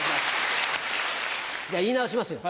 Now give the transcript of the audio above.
じゃあ言い直しますよ